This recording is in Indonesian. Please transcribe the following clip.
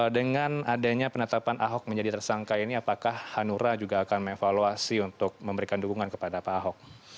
dengan adanya penetapan ahok menjadi tersangka ini apakah hanura juga akan mengevaluasi untuk memberikan dukungan kepada pak ahok